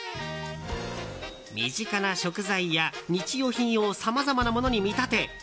身近な食材や日用品をさまざまなもので見立て